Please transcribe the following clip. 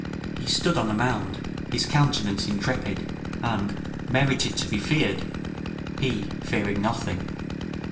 ["He stood on a mound, his countenance intrepid, and merited to be feared, he fearing nothing."